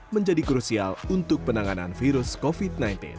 menjadi krusial untuk penanganan virus covid sembilan belas